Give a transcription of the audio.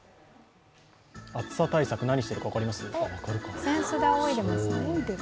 暑さ対策、何しているか分かります？